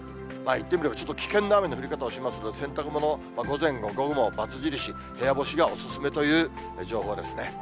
言ってみればちょっと危険な雨の降り方をしますが、洗濯物、午前も午後もバツ印、部屋干しがお勧めという情報ですね。